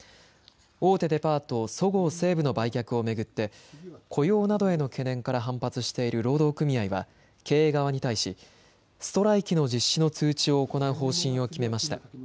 大手デパート、そごう・西武の売却を巡って雇用などへの懸念から反発している労働組合は経営側に対しストライキの実施の通知を行う方針を決めました。